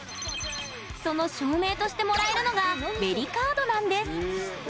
その証明としてもらえるのがベリカードなんです。